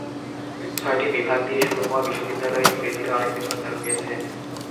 ছয়টি বিভাগ দিয়ে শুরু হওয়া বিশ্ববিদ্যালয়ে ধীরে ধীরে অনেক বিভাগ চালু হয়েছে।